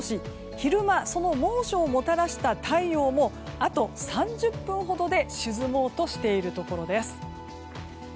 昼間、その猛暑をもたらした太陽も、あと３０分ほどで沈もうとしているところです。